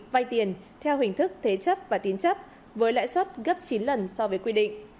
vay tiền theo hình thức thế chấp và tín chấp với lãi suất gấp chín lần so với quy định